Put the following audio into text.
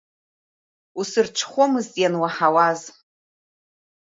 Усырҽхәомызт иануаҳауаз.